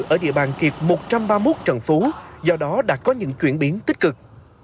ở địa bàn kiệt một trăm ba mươi một trần phú do đó đã có những chuyển biến tích cực